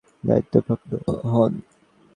তিনি দ্বিতীয় খলীফা হিসেবে দায়িত্বপ্রাপ্ত হন ।